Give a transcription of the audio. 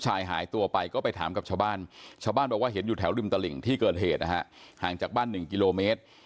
ชาวบ้านบอกว่าเห็นอยู่แถวริมตลิ่งที่เกิดเหตุนะฮะห่างจากบ้านหนึ่งกิโลเมตร